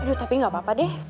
aduh tapi gak apa apa deh